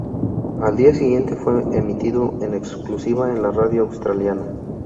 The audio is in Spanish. Al día siguiente fue emitido en exclusiva en la radio australiana.